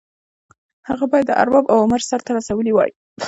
هغه باید د ارباب اوامر سرته رسولي وای.